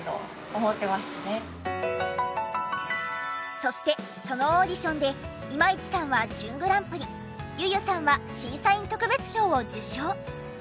そしてそのオーディションで今市さんは準グランプリｙｕ−ｙｕさんは審査員特別賞を受賞。